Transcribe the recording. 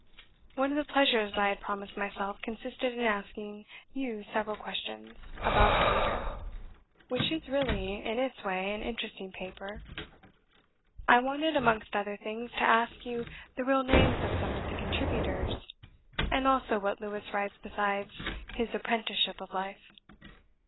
"One of the pleasures I had promised myself consisted in asking you several questions about the Leader, which is really, in its way, an interesting paper. I wanted, amongst other things, to ask you the real names of some of the contributors, and also what Lewes writes besides his Apprenticeship of Life.